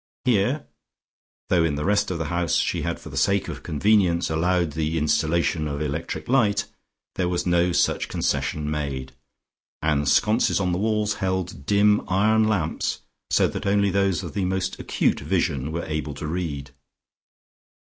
Here, though in the rest of the house she had for the sake of convenience allowed the installation of electric light, there was no such concession made, and sconces on the walls held dim iron lamps, so that only those of the most acute vision were able to read.